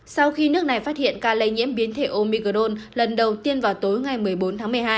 sau khi nước này phát hiện ca lây nhiễm biến thể omicron lần đầu tiên vào tối ngày một mươi bốn tháng một mươi hai